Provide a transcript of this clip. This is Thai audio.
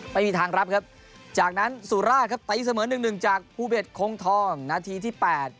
ไม่มีทางรับครับจากนั้นสูราธารณีตีเสมอ๑๑จากผู้เบ็ดโค้งทองนาทีที่๘